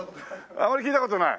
あまり聞いた事ない？